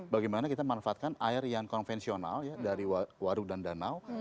bagaimana kita manfaatkan air yang konvensional ya dari warung dan danau